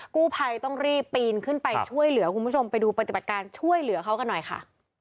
กู้ภัยต้องรีบปีนขึ้นไปช่วยเหลือคุณผู้ชมไปดูปฏิบัติการช่วยเหลือเขากันหน่อยค่ะ